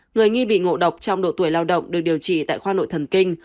người nghi bị ngộ độc trong độ tuổi lao động được điều trị tại khoa nội thần kinh